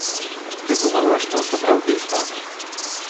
Ты думала, што сапраўды стану?